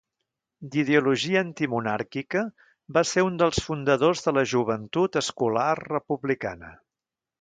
D'ideologia antimonàrquica, va ser un dels fundadors de la Joventut Escolar Republicana.